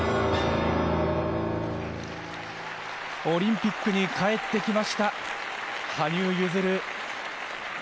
オリンピックに帰ってきました羽生結弦。